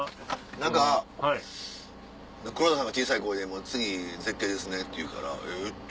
何か黒田さんが小さい声で「次絶景ですね」って言うから「えっ？」